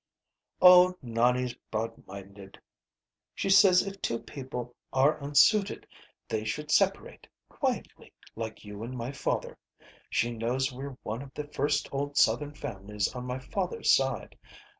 "Oh, Nonie's broadminded. She says if two people are unsuited they should separate, quietly, like you and my father. She knows we're one of the first old Southern families on my father's side.